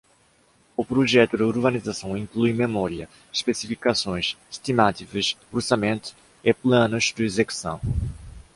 O projeto de urbanização inclui memória, especificações, estimativas, orçamento e planos de execução.